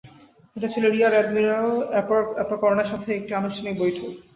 এটা ছিল rear admiral অ্যাপাকর্নের সাথে একটি আনুষ্ঠানিক বৈঠক।